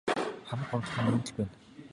Хамаг гомдол минь үүнд л байна.